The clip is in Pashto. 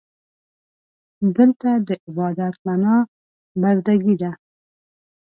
دلته د عبادت معنا برده ګي ده.